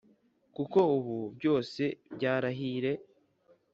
kuko ubu byose byarahire